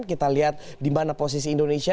kita lihat di mana posisi indonesia